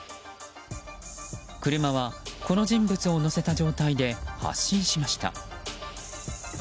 車はこの人物を乗せた状態で発進しました。